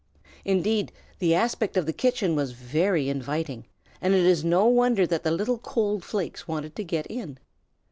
Indeed, the aspect of the kitchen was very inviting, and it is no wonder that the little cold flakes wanted to get in.